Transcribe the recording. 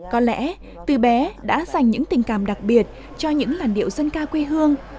có lẽ từ bé đã dành những tình cảm đặc biệt cho những làn điệu dân ca quê hương